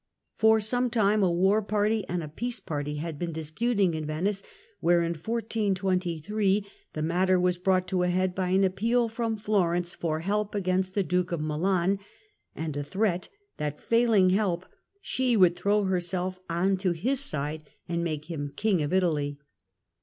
For some time a war party and a peace party had been disputing in Venice, where in 1423 the matter was brought to a head by an appeal from Florence for help against the Duke of Milan, and a threat, that failing help she would throw herself on to his side and make him King of Italy.